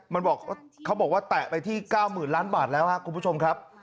มันบอกเขาบอกว่าแตะไปที่๙๐๐๐ล้านบาทแล้วครับคุณผู้ชมครับ